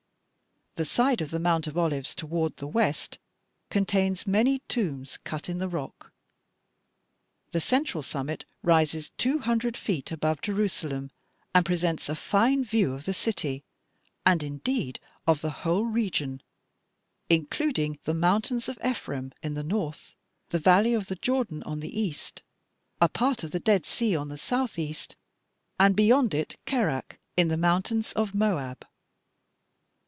The side of the Mount of Olives toward the west contains many tombs cut in the rock. The central summit rises two hundred feet above Jerusalem and presents a fine view of the city, and, indeed, of the whole region, including the mountains of Ephraim on the north, the valley of the Jordan on the east, a part of the Dead Sea on the south east, and beyond it Kerak, in the mountains of Moab.